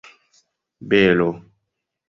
belo